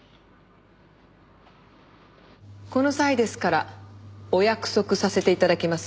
この際ですからお約束させて頂きます。